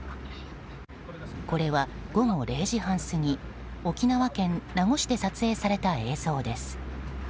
これは午後０時半過ぎ沖縄県名護市で撮影された映像です。